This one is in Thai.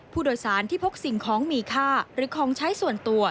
ผู้โดยสารที่พกสิ่งของมีค่าหรือของใช้ส่วนตัว